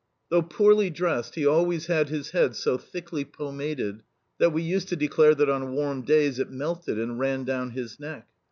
Though poorly dressed, he always had his head so thickly pomaded that we used to declare that on warm days it melted and ran down his neck.